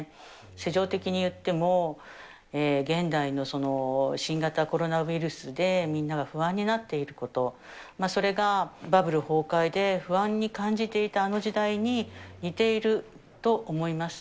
世情的にいっても、現代の新型コロナウイルスで、みんなが不安になっていること、それがバブル崩壊で不安に感じていたあの時代に、似ていると思います。